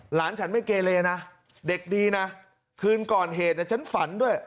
หลานฉันไม่เกเลนะเด็กดีนะคืนก่อนเหตุเนี่ยฉันฝันด้วย